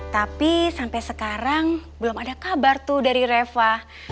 tapi sampai sekarang belum ada kabar tuh dari reva